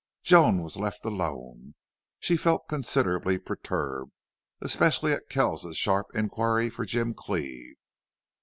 Joan was left alone. She felt considerably perturbed, especially at Kells's sharp inquiry for Jim Cleve.